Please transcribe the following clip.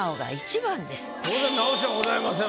当然直しはございません。